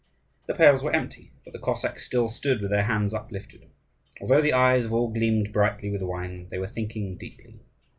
The pails were empty, but the Cossacks still stood with their hands uplifted. Although the eyes of all gleamed brightly with the wine, they were thinking deeply.